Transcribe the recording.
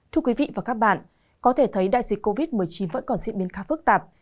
thưa quý vị và các bạn có thể thấy đại dịch covid một mươi chín vẫn còn diễn biến khá phức tạp